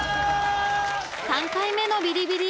［３回目のビリビリ